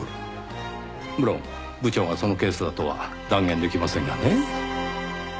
無論部長がそのケースだとは断言できませんがね。